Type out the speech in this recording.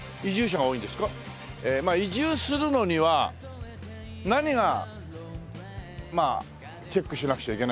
移住するのには何がまあチェックしなくちゃいけないのか。